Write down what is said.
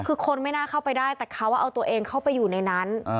คือคนไม่น่าเข้าไปได้แต่เขาเอาตัวเองเข้าไปอยู่ในนั้น